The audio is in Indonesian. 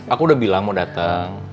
aku udah bilang mau datang